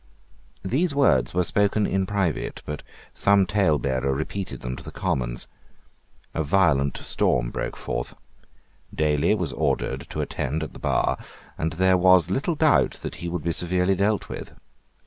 These words were spoken in private; but some talebearer repeated them to the Commons. A violent storm broke forth. Daly was ordered to attend at the bar; and there was little doubt that he would be severely dealt with.